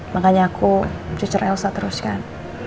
makanya aku cucur elsa terus kan